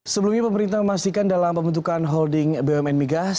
sebelumnya pemerintah memastikan dalam pembentukan holding bumn migas